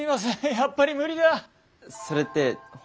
やっぱり無理だ！